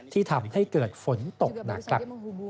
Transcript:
ที่ทำให้เกิดฝนตกหนักครับ